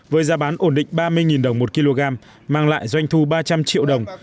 với giá bán ổn định ba mươi đồng một kg mang lại doanh thu ba trăm linh triệu đồng